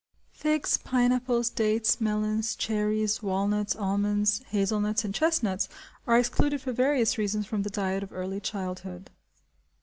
Figs, pineapples, dates, melons, cherries, walnuts, almonds, hazelnuts, and chestnuts, are excluded for various reasons from the diet of early childhood.